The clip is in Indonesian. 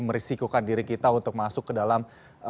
merisikokan diri kita untuk masuk ke dalam